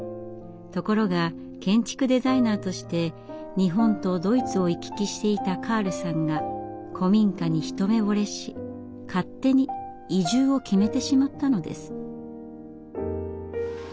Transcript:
ところが建築デザイナーとして日本とドイツを行き来していたカールさんが古民家に一目ぼれし勝手に移住を決めてしまったのです。